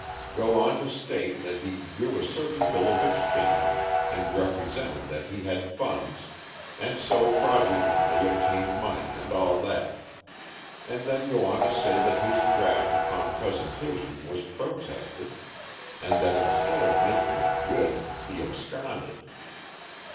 Go on to state that he drew a certain bill of exchange, and represented that he had funds, and so fraudulently obtained money, and all that; and then go on to say that his draft upon presentation was protested, and that instead of making it good he absconded.